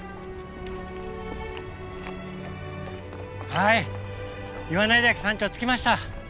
はい岩内岳山頂着きました！